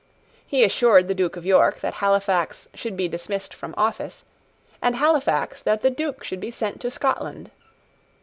He assured the Duke of York that Halifax should be dismissed from office, and Halifax that the Duke should be sent to Scotland.